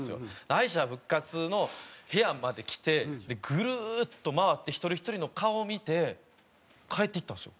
敗者復活の部屋まで来てグルーッと回って一人ひとりの顔を見て帰っていったんですよ。